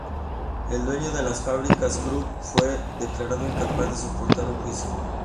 El dueño de las fábricas Krupp fue declarado incapaz de soportar un juicio.